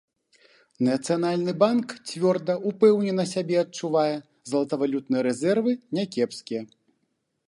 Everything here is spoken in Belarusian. Нацыянальны банк цвёрда, упэўнена сябе адчувае, золатавалютныя рэзервы някепская.